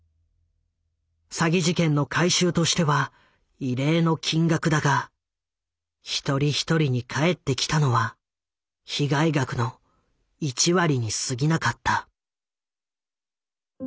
詐欺事件の回収としては異例の金額だが一人一人に返ってきたのは被害額の１割にすぎなかった。